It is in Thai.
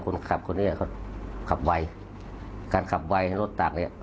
คนขับคนนี้เขาขับไวการขับไวให้รถตักเนี้ย